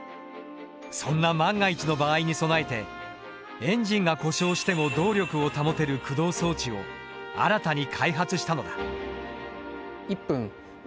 そんな万が一の場合に備えてエンジンが故障しても動力を保てる駆動装置を新たに開発したのだ。